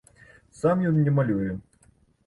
Сам ён не малюе.